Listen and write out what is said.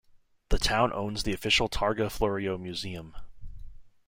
The town owns the official Targa Florio Museum.